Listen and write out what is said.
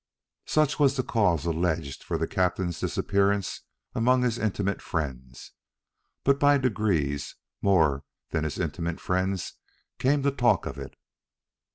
Such was the cause alleged for the captain's disappearance among his intimate friends; but by degrees more than his intimate friends came to talk of it.